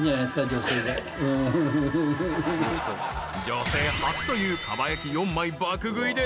［女性初というかば焼き４枚爆食いで